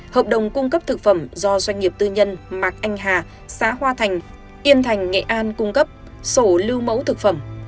hợp đồng cung cấp thực phẩm do doanh nghiệp tư nhân mạc anh hà xã hoa thành yên thành nghệ an cung cấp sổ lưu mẫu thực phẩm